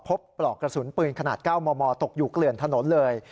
ปลอกกระสุนปืนขนาด๙มมตกอยู่เกลื่อนถนนเลย